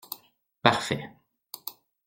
Parfait.